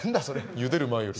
ゆでる前より。